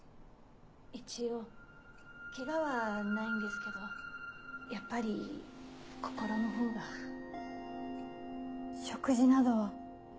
・一応ケガはないんですけどやっぱり心のほうが・食事などは。